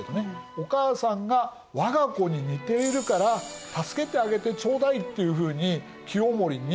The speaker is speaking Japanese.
お母さんが「我が子に似ているから助けてあげてちょうだい」っていうふうに清盛にお願いした。